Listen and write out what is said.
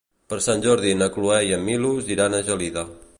Per Sant Jordi na Cloè i en Milos iran a Gelida.